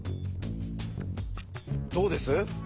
どうです？